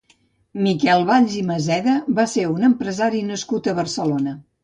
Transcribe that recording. Miquel Valls i Maseda va ser un empresari nascut a Barcelona.